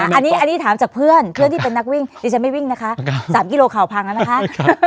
อันนี้ถามจากเพื่อนเพื่อนที่เป็นนักวิ่งดิฉันไม่วิ่งนะคะ๓กิโลข่าวพังแล้วนะคะ